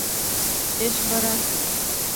Эш бара.